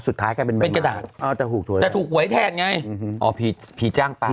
สุดท้ายก็เป็นแบบนั้นเป็นกระดาษแต่ถูกหวยแทนไงอ๋อผีจ้างไป